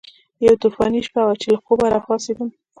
یوه طوفاني شپه وه چې له خوبه راپاڅېدم.